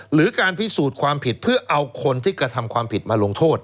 หรือการพิสูจน์ความผิดเพื่อเอาคนที่กระทำความผิดมาลงโทษ